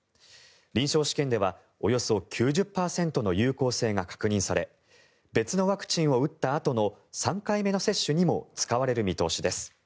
臨床試験ではおよそ９０％の有効性が確認され別のワクチンを打ったあとの３回目の接種にも使われる見通しです。